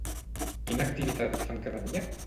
Quina activitat fan cada dia?